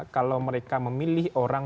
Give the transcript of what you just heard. kalau mereka memilih orang